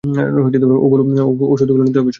ওষুধ গুলো নিতে হবে শুধু।